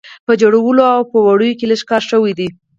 په جوړولو او په وړیو یې لږ کار شوی دی.